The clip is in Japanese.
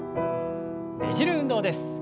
ねじる運動です。